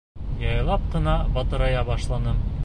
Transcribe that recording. Яйлап ҡына батырая башланым.